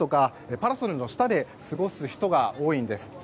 パラソルの下で過ごす人が多いんです。